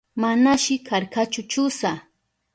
Manashi karkachu chusha.